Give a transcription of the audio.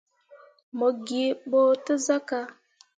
Mo gee ɓo te sah ka.